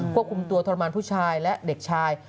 ควบคุมตัวทรมานผู้ชายและเด็กชาย